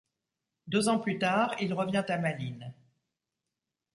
Deux ans plus tard, il revient à Malines.